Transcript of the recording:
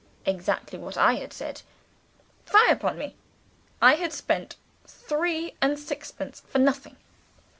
Exactly what I had said! Fie upon me, I had spent three and sixpence for nothing.